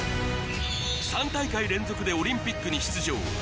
３大会連続でオリンピックに出場